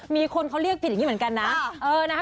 มีคนเขาเรียกผิดอย่างนี้เหมือนกันนะ